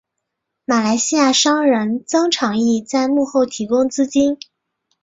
马来西亚商人曾长义在幕后提供资金。